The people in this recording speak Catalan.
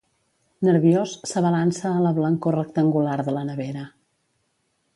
Nerviós, s'abalança a la blancor rectangular de la nevera.